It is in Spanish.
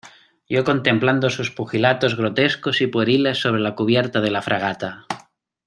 yo contemplando sus pugilatos grotescos y pueriles sobre la cubierta de la fragata